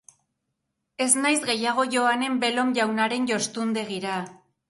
Ez naiz gehiago joanen Belom jaunaren jostundegira!